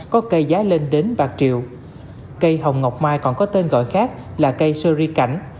cây hồng ngọc mai còn có tên gọi khác là cây sơ ri cảnh